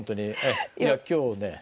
いや今日ね